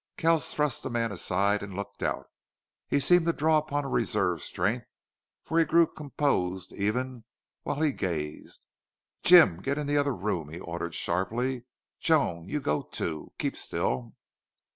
Kells thrust the men aside and looked out. He seemed to draw upon a reserve strength, for he grew composed even while he gazed. "Jim, get in the other room," he ordered, sharply. "Joan you go, too. Keep still."